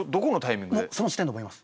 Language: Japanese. もうその時点で思います。